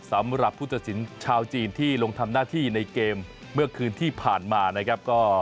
สำหรับผู้ตัดสินชาวจีนที่ลงทำหน้าที่ในเกมเมื่อคืนที่ผ่านมานะครับ